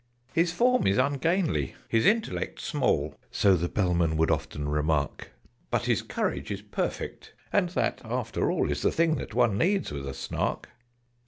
"His form is ungainly his intellect small " (So the Bellman would often remark) "But his courage is perfect! And that, after all, Is the thing that one needs with a Snark."